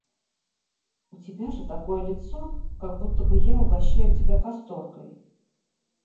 – У тебя же такое лицо, как будто бы я угощаю тебя касторкой.